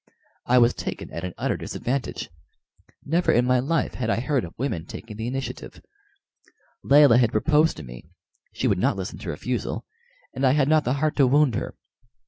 I was taken at an utter disadvantage. Never in my life had I heard of women taking the initiative. Layelah had proposed to me, she would not listen to refusal, and I had not the heart to wound her.